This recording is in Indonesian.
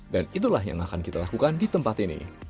dan itulah yang akan kita lakukan di tempat ini